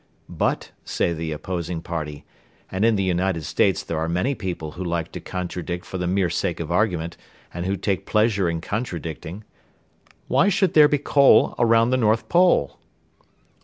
"But," say the opposing party and in the United States there are many people who like to contradict for the mere sake of argument, and who take pleasure in contradicting "Why should there be coal around the North Pole?"